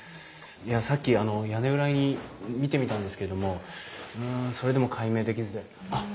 いやさっき屋根裏見てみたんですけれどもうんそれでも解明できずであっ。